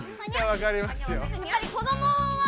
わかりますよ。